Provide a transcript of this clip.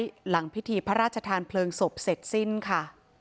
นี่คือร่างพิธีพระราชธานเผลิงศพเสร็จสิ้นค่ะ